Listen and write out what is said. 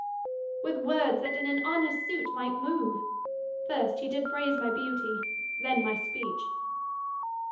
Luc. With words that in an honest suit might move. First he did praise my beauty, then my speech.